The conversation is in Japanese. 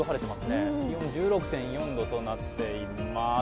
気温１６．４度となっています。